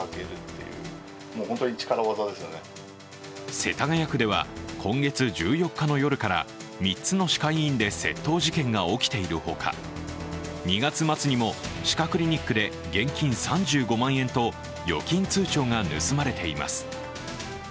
世田谷区では今月１４日の夜から３つの歯科医院で窃盗事件が起きているほか２月末にも歯科クリニックで現金３５万円と預金通帳が盗まれています。